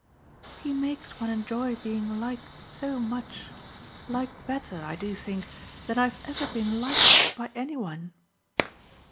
"He makes one enjoy being liked so much liked better, I do think, than I've ever been liked by any one."